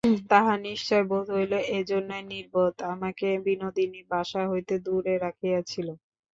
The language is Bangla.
তাহার নিশ্চয় বোধ হইল, এইজন্যই নির্বোধ আমাকে বিনোদিনী বাসা হইতে দূরে রাখিয়াছিল।